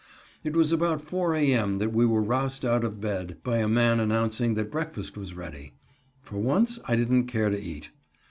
It was about 4 a. m. that we were roused out of bed by a man announcing that breakfast was ready. For once I didn't care to eat.